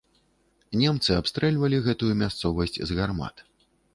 Немцы абстрэльвалі гэтую мясцовасць з гармат.